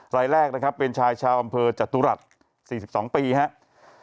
รายแรกนะครับเป็นชายชาวอำเภอจตุรัส๔๒ปีครับ